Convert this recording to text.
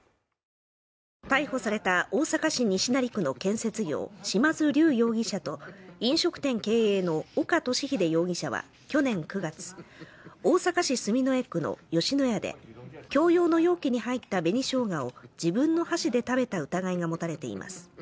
逮捕された大阪市西成区の建設業嶋津龍容疑者と、飲食店経営の岡敏秀容疑者は去年９月大阪市住之江区の吉野家で共用の容器に入った紅しょうがを自分の箸で食べた疑いが持たれています。